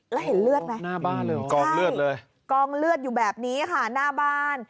แล้วเห็นเลือดไหมใช่กองเลือดอยู่แบบนี้ค่ะหน้าบ้าน